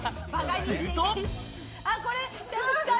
すると。